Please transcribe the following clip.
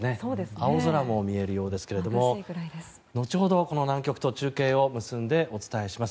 青空も見えるようですが後ほど、この南極と中継を結んでお伝えします。